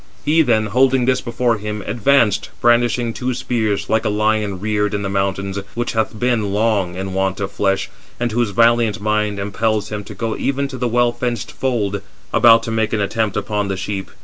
He then, holding this before him, advanced, brandishing two spears, like a lion reared in the mountains, which hath been long in want of flesh, and whose valiant mind impels him to go even to the well fenced fold, about to make an attempt upon the sheep.